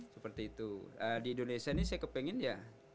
seperti itu di indonesia ini saya kepengen ya